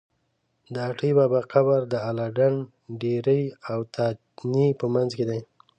د اټی بابا قبر د اله ډنډ ډېری او تانې په منځ کې دی.